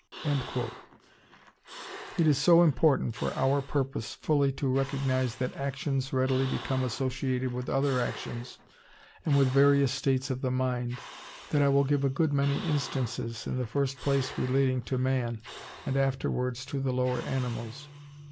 It is so important for our purpose fully to recognize that actions readily become associated with other actions and with various states of the mind, that I will give a good many instances, in the first place relating to man, and afterwards to the lower animals.